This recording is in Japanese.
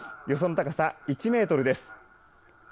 予想の高さ１メートルです。